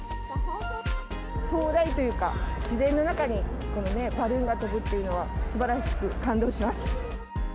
壮大というか、自然の中にバルーンが飛ぶっていうのは、すばらしく感動します。